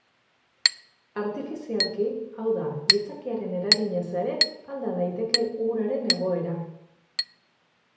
Artifizialki, hau da, gizakiaren eraginez ere alda daiteke uraren egoera.